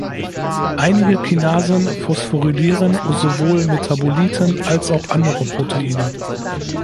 Einige Kinasen phosphorylieren sowohl Metaboliten als auch andere Proteine.